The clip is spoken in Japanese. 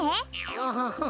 アハハッ。